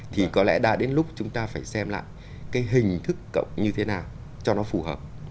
thì có lẽ đã đến lúc chúng ta phải xem lại cái hình thức cộng như thế nào cho nó phù hợp